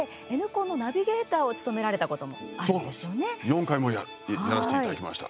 ４回もやらせていただきました。